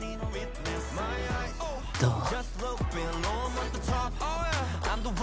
どう？